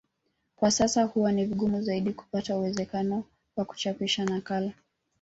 Kwa sasa huwa ni vigumu zaidi kupata uwezekano wa kuchapisha nakala